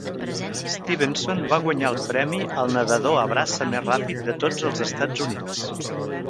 Stevenson va guanyar el premi al nadador a braça més ràpid de tots els Estats Units.